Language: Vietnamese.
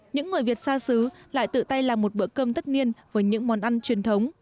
những người việt xa xứ lại tự tay làm một bữa cơm tất niên với những món ăn truyền thống